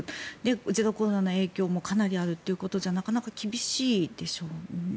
ゼロコロナの影響もかなりあるということじゃなかなか厳しいでしょうね。